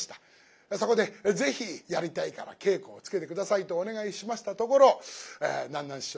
そこでぜひやりたいから稽古をつけて下さいとお願いしましたところ南なん師匠